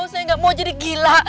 saya nggak mau jadi gila